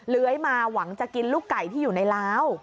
เลื้อยมาหวังจะกินลูกไก่ที่อยู่ในล้าว